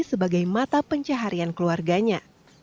sebagai mata pencaharian keluarganya